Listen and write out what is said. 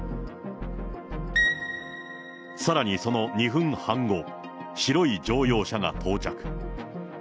さらにその２分半後、白い乗用車が到着。